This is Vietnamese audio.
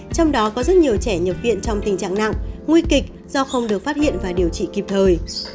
trong đó có rất nhiều trẻ nhập viện trong tình trạng nặng nguy kịch do không được phát hiện và điều trị kịp thời